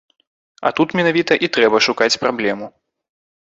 А тут менавіта і трэба шукаць праблему.